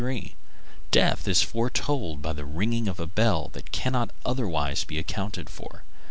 Death is foretold by the ringing of a bell that cannot otherwise be accounted for.